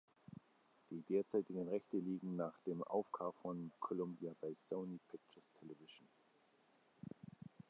Die derzeitigen Rechte liegen nach dem Aufkauf von Columbia bei Sony Pictures Television.